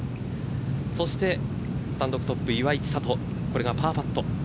そして単独トップ岩井千怜これがパーパット。